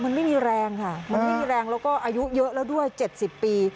มันไม่มีแรงค่ะมันไม่มีแรงแล้วก็อายุเยอะแล้วด้วย๗๐ปี